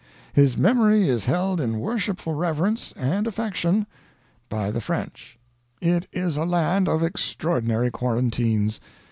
His memory is held in worshipful reverence and affection by the French. "It is a land of extraordinary quarantines.